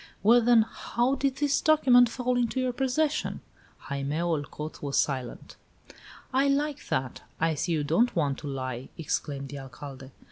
"Well, then, how did this document fall into your possession?" Jaime Olcot was silent. "I like that! I see you don't want to lie!" exclaimed the Alcalde.